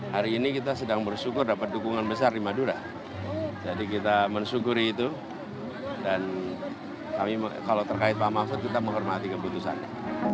hari ini kita sedang bersyukur dapat dukungan besar di madura jadi kita mensyukuri itu dan kami kalau terkait pak mahfud kita menghormati keputusannya